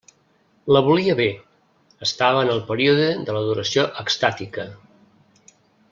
La volia bé: estava en el període de l'adoració extàtica.